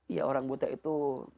ya orang buta itu